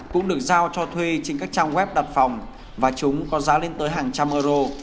cũng được giao cho thuê trên các trang web đặt phòng và chúng có giá lên tới hàng trăm euro